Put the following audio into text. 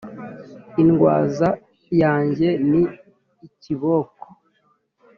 indwaza yanjye ni ikiboko